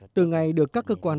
từ ngày được các cơ quan đối tượng